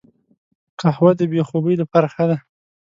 قهوه د بې خوبي لپاره ښه ده